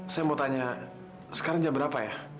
saya mau tanya sekarang jam berapa ya